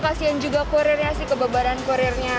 kasian juga kurirnya sih kebebaran kurirnya